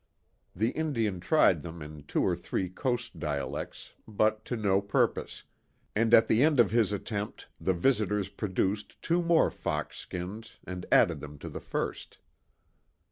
The Indian tried them in two or three coast dialects, but to no purpose, and at the end of his attempt, the visitors produced two more fox skins and added them to the first.